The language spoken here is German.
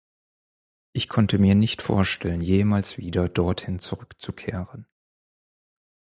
Ich konnte mir nicht vorstellen, jemals wieder dorthin zurückzukehren.